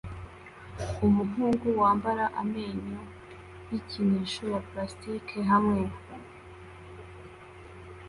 Umuhungu yambara amenyo yikinisho ya plastike hamwe